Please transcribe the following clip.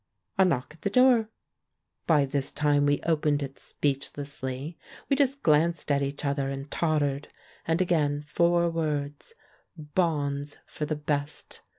A knock at the door! By this time we opened it speechlessly — we just glanced at each other, and tottered. And again four words — "Bonds for the Best."